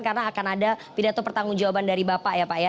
karena akan ada pidato pertanggung jawaban dari bapak ya pak ya